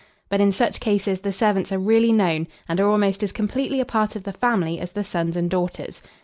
But in such cases the servants are really known, and are almost as completely a part of the family as the sons and daughters.